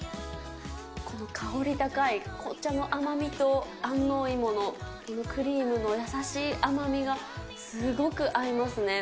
この香り高い甘みと、安納芋のこのクリームの優しい甘みがすごく合いますね。